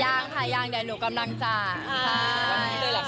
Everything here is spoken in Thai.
อย่างถ่ายยางเดี๋ยวกำลังจ่าง